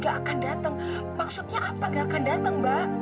gak akan datang maksudnya apa gak akan datang mbak